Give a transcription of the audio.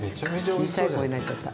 小さい声になっちゃった。